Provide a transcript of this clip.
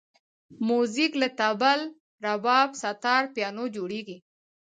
موزیک له طبل، رباب، ستار، پیانو جوړېږي.